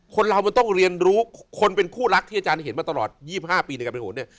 คนเรามันต้องเรียนรู้คนเป็นคู่รักที่อาจารย์เห็นมาตลอด๒๕ปีในการเป็นโหนเนี่ย